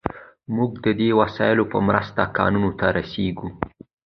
موږ د دې وسایلو په مرسته کانونو ته رسیږو.